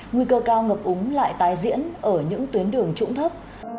nguy cơ cao ngập úng lại tái diễn ở những tuyến đường trũng thấp